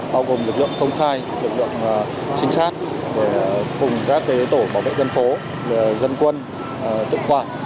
bao gồm lực lượng công khai lực lượng trinh sát cùng các tổ bảo vệ dân phố dân quân tự quản